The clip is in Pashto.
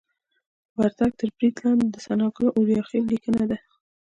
وردګ تر برید لاندې د ثناګل اوریاخیل لیکنه ده